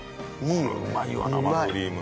これうまいわ生クリーム。